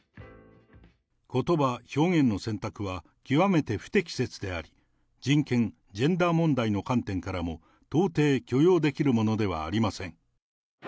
ことば、表現の選択は極めて不適切であり、人権・ジェンダー問題の観点からも、到底許容できるものではありません。